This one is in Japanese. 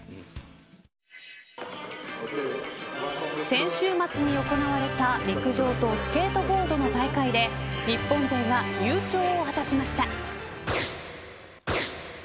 先週末に行われた陸上とスケートボードの大会で日本勢が優勝を果たしました。